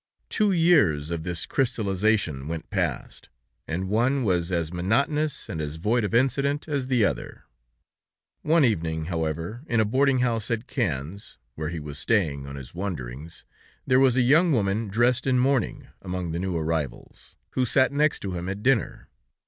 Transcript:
Two years of this crystallization went past, and one was as monotonous, and as void of incident, as the other. One evening, however, in a boarding house at Cannes, where he was staying on his wanderings, there was a young woman dressed in mourning, among the new arrivals, who sat next to him at dinner.